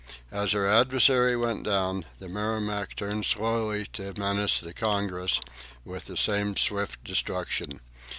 As her adversary went down, the "Merrimac" turned slowly to menace the "Congress" with the same swift destruction.